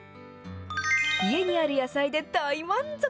家にある野菜で大満足。